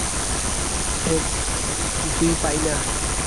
মঠের খবর তো কিছুই পাই না।